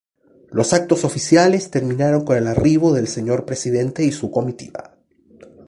Los actos oficiales empezaron con el arribo del señor Presidente y su comitiva.